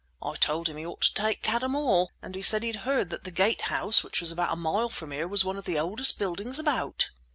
I told him he ought to take Cadham Hall, and he said he had heard that the Gate House, which is about a mile from here, was one of the oldest buildings about."